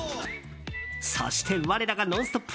そして、我らが「ノンストップ！」